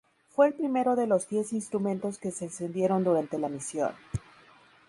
Fue el primero de los diez instrumentos que se encendieron durante la misión.